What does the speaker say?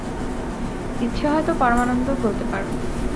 ইচ্ছা হয় তো পরমানন্দও বলতে পারো।